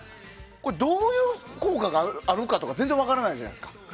どういう効果があるかとか全然分からないじゃないですか。